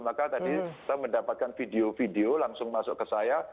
maka tadi saya mendapatkan video video langsung masuk ke saya